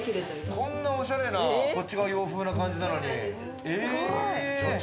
こんなオシャレな、こっちが洋風な感じなのに。